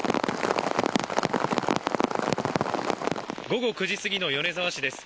午後９時過ぎの米沢市です。